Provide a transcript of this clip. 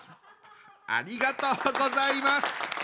ありがとうございます。